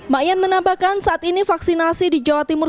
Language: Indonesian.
mayan menambahkan saat ini vaksinasi di jawa timur